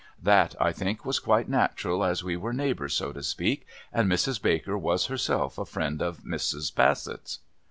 That, I think, was quite natural as we were neighbours, so to speak, and Mrs. Baker was herself a friend of Mrs. Bassett's.